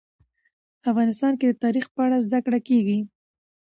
افغانستان کې د تاریخ په اړه زده کړه کېږي.